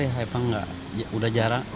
pembangunan di depan di depan di depan